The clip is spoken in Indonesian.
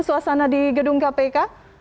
suasana di gedung kpk